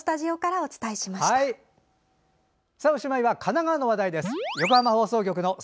おしまいは神奈川の話題です。